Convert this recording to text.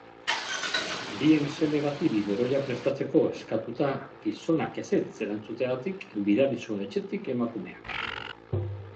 Bien seme bati biberoia prestatzeko eskatuta gizonak ezetz erantzuteagatik bidali zuen etxetik emakumeak.